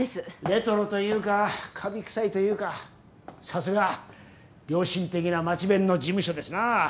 レトロというかかび臭いというかさすが良心的な町弁の事務所ですなぁ。